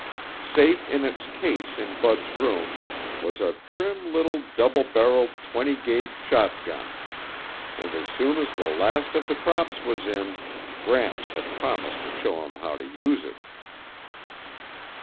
Safe in its case in Bud's room was a trim little double barreled twenty gauge shotgun, and as soon as the last of the crops was in, Gramps had promised to show him how to use it.